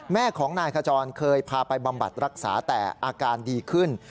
แม่ของนายขจรเคยพาไปบำบัดรักษาแต่อาการดีขึ้น